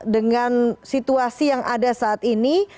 dengan situasi yang ada saat ini